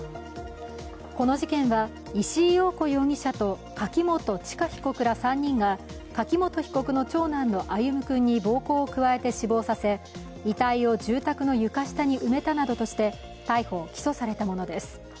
この事件は石井陽子容疑者と柿本知香被告ら３人が柿本被告の長男の歩夢君に暴行を加えて死亡させ遺体を住宅の床下に埋めたなどとして逮捕・起訴されたものです。